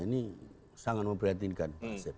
ini sangat memprihatinkan